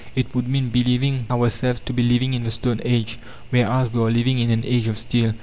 It would mean believing ourselves to be living in the Stone Age, whereas we are living in an age of steel.